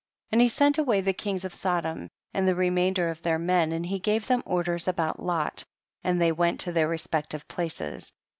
18. And he sent away the kings of Sodom and the remainder of their men, and he gave them orders about Lot, and they went to their respec tive places.